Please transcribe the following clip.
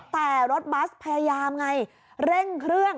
แต่รถบัสพยายามไงเร่งเครื่อง